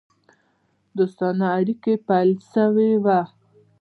دوستانه اړېکي پیل سوي وه.